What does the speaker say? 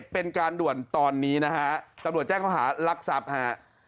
เป็นการด่วนตอนนี้นะฮะตำรวจแจ้งเขาหารักทรัพย์ฮะ